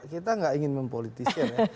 kita nggak ingin mempolitiskan ya